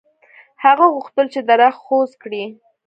هغه غوښتل چې درخت غوڅ کړي.